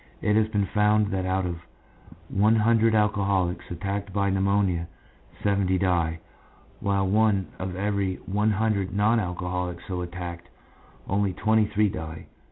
It has been found that out of every one hundred alcholics attacked by pneumonia seventy die, while out of every one hundred non alcoholics so attacked only twenty three die.